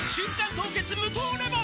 凍結無糖レモン」